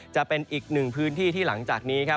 จะเป็นอีกหนึ่งพื้นที่ที่หลังจากนี้ครับ